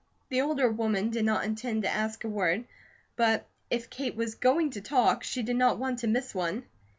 The older woman did not intend to ask a word, but if Kate was going to talk, she did not want to miss one.